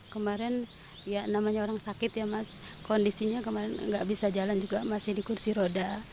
kemarin ya namanya orang sakit ya mas kondisinya kemarin nggak bisa jalan juga masih di kursi roda